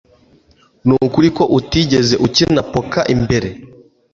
Nukuri ko utigeze ukina poker mbere